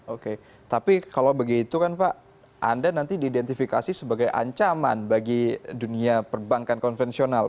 oke tapi kalau begitu kan pak anda nanti diidentifikasi sebagai ancaman bagi dunia perbankan konvensional